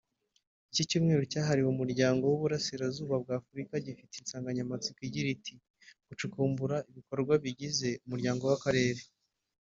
Iki cyumweru cyahariwe umuryango w’uburasirazuba bwa Afurika gifite insangamatsiko igira iti ”Gucukumbura ibikorwa bigize umuryango w’akarere